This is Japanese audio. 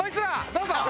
どうぞ。